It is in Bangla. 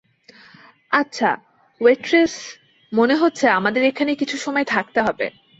আচ্ছা, ওয়েট্রেস, মনে হচ্ছে আমাদের এখানে কিছু সময় থাকতে হবে।